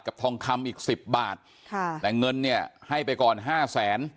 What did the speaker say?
ทองคำอีกสิบบาทค่ะแต่เงินเนี่ยให้ไปก่อนห้าแสน